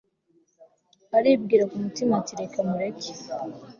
aribwira kumutima ati reka mureke